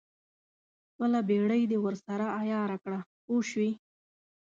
خپله بېړۍ دې ورسره عیاره کړه پوه شوې!.